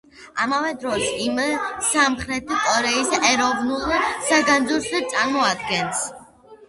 ამავე დროს, ის სამხრეთ კორეის ეროვნულ საგანძურს წარმოადგენს.